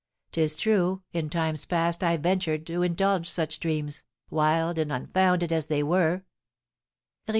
'Tis true, in times past I ventured to indulge such dreams, wild and unfounded as they were."